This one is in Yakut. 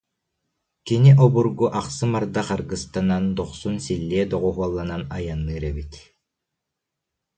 Кини обургу ахсым ардах аргыстанан, дохсун силлиэ доҕуһуолланан айанныыр эбит